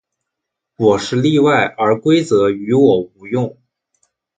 我是例外，而规则于我无用。